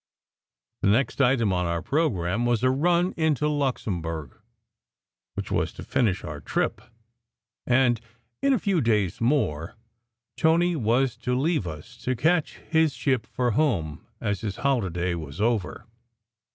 The next item on our programme was a run into Luxemburg, which was to finish our trip; and in a few days more Tony was to leave us to catch his ship for home, as his holiday was over.